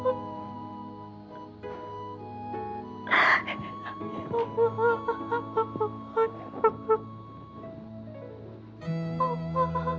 bagaimanapun juga sekarang tante ernie itu adalah ibu kamu juga ya enggak ibu sari